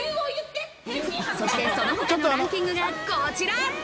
そして、その他のランキングがこちら。